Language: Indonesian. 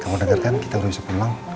kamu denger kan kita belum bisa pulang